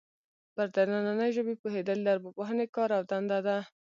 پر دنننۍ ژبې پوهېدل د ارواپوهنې کار او دنده ده